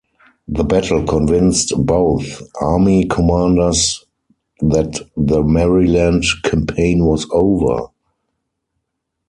The battle convinced both army commanders that the Maryland Campaign was over.